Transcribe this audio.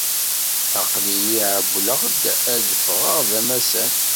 Aql-i ɛewwleɣ-d ad d-ffɣeɣ d amassan.